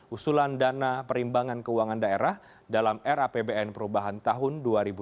usulan dana perimbangan keuangan daerah dalam rapbn perubahan tahun dua ribu dua puluh